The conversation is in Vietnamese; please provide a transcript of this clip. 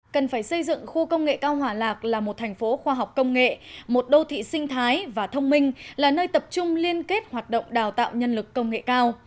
cần phải xây dựng khu công nghệ cao hỏa lạc là một thành phố khoa học công nghệ một đô thị sinh thái và thông minh là nơi tập trung liên kết hoạt động đào tạo nhân lực công nghệ cao